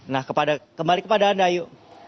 nah kembali kepada anda ayu